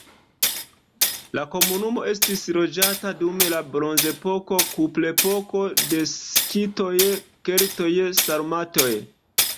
La komunumo estis loĝata dum la bronzepoko, kuprepoko, de skitoj, keltoj, sarmatoj.